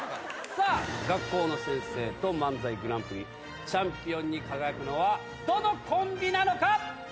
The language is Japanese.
さあ学校の先生と漫才グランプリチャンピオンに輝くのはどのコンビなのか！？